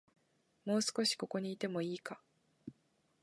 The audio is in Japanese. もう少し、ここにいてもいいか